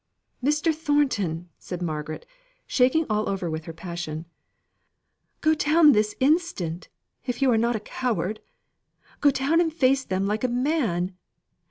"Mr. Thornton," said Margaret, shaking all over with her passion, "go down this instant, if you are not a coward. Go down and face them like a man.